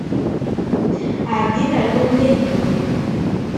Ɛeddim ar wanda i yedduri!